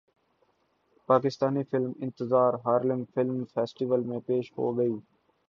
Pakistani film Intezaar Harlem film festival میں پیش ہوگی